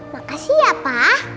makasih ya pak